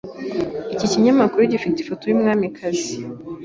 Iki kinyamakuru gifite ifoto yumwamikazi.